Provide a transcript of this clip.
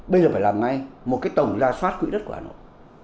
bây giờ phải làm ngay một cái tổng ra soát quỹ đất của hà nội